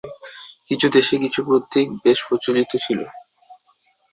কিছু দেশে কিছু প্রতীক বেশি প্রচলিত ছিল।